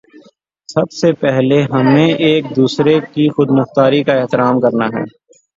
سب سے پہلے ہمیں ایک دوسرے کی خود مختاری کا احترام کرنا ہے۔